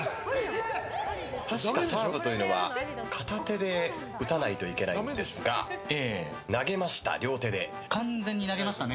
確かサーブというのは片手で打たないといけないんですが投げました、両手で。